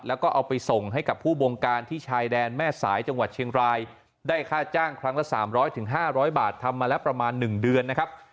แล้วก็เอาไปส่งให้กับผู้บงการที่ชายแดนแม่สายจังหวัดเชียงรายได้ค่าจ้างครั้งละ๓๐๐๕๐๐บาททำมาแล้วประมาณ๑เดือนนะครับ